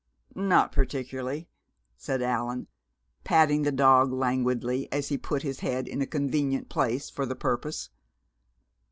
"Not particularly," said Allan, patting the dog languidly as he put his head in a convenient place for the purpose.